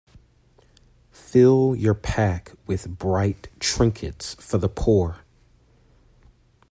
Fill your pack with bright trinkets for the poor.